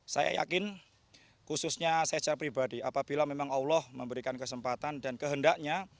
saya yakin khususnya saya secara pribadi apabila memang allah memberikan kesempatan dan kehendaknya